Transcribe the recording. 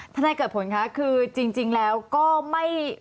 นายเกิดผลคะคือจริงแล้วก็ไม่